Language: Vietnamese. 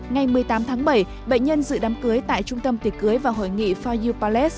ngày một mươi tám tháng bảy bệnh nhân dự đám cưới tại trung tâm tiệc cưới và hội nghị for you palace